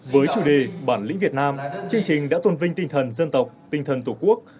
với chủ đề bản lĩnh việt nam chương trình đã tôn vinh tinh thần dân tộc tinh thần tổ quốc